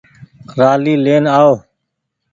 رآلي لين آئو۔